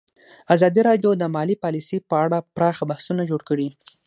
ازادي راډیو د مالي پالیسي په اړه پراخ بحثونه جوړ کړي.